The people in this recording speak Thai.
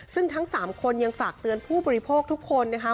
ซึ่งทั้ง๓คนยังฝากเตือนผู้บริโภคทุกคนนะคะ